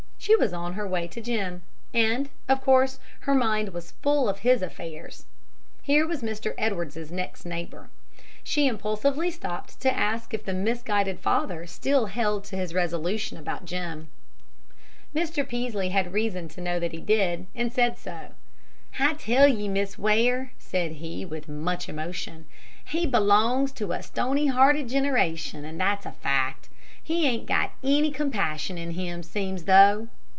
She was on her way to Jim, and, of course, her mind was full of his affairs. Here was Mr. Edwards's next neighbor. She impulsively stopped to ask if the misguided father still held to his resolution about Jim. Mr. Peaslee had reason to know that he did, and said so. "I tell ye, Miss Ware," said he, with much emotion, "he belongs to a stony hearted generation, and that's a fact. He ain't got any compassion in him, seems though."